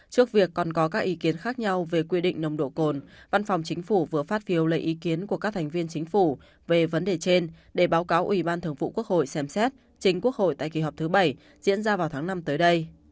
trước việc còn có các ý kiến khác nhau về quy định nồng độ cồn văn phòng chính phủ vừa phát phiêu lấy ý kiến của các thành viên chính phủ về vấn đề trên để báo cáo ủy ban thường vụ quốc hội xem xét chính quốc hội tại kỳ họp thứ bảy diễn ra vào tháng năm tới đây